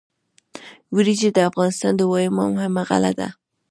وریجې د افغانستان دویمه مهمه غله ده.